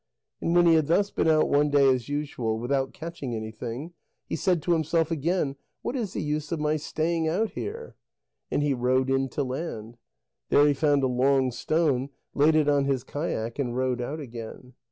And when he had thus been out one day as usual, without catching anything, he said to himself again: "What is the use of my staying out here?" And he rowed in to land. There he found a long stone, laid it on his kayak, and rowed out again.